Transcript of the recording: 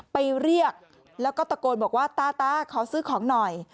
ไปเรียกแล้วก็ตะโกนบอกว่าตาตาขอซื้อของหน่อย